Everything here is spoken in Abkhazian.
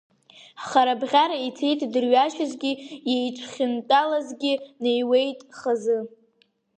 Харабӷьара ицеит идырҩашьаз, иеиҽхьынтәалазгьы неиуеит хазы.